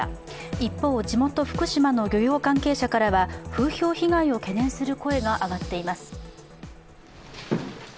一方、地元・福島の漁業関係者からは風評被害を懸念する声が上がっています。